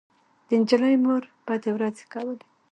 د نجلۍ مور بدې ورځې کولې